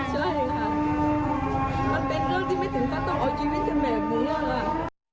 ใช่ค่ะถ้าเป็นเรื่องที่ไม่ถึงก็ต้องเอาชีวิตเข้ามาแหมวน